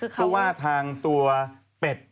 เพราะว่าทางตัวเป็ด